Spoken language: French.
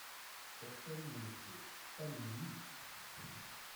Personne ne le sait, pas même lui!